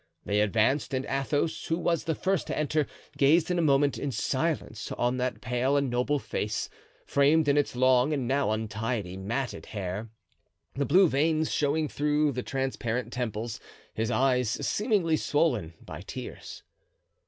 They advanced, and Athos, who was the first to enter, gazed a moment in silence on that pale and noble face, framed in its long and now untidy, matted hair, the blue veins showing through the transparent temples, his eyes seemingly swollen by tears.